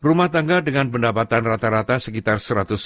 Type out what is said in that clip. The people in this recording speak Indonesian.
rumah tangga dengan pendapatan rata rata sekitar satu ratus sebelas